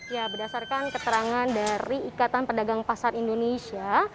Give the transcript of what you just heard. ya berdasarkan keterangan dari ikatan pedagang pasar indonesia